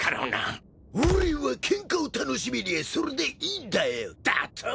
「俺はケンカを楽しめりゃあそれでいいんだよ」だと？